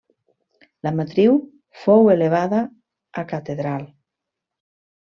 La matriu fou elevada a catedral.